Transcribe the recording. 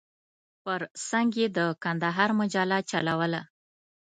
پر څنګ یې د کندهار مجله چلوله.